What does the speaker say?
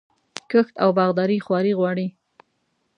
کښت او باغداري خواري غواړي.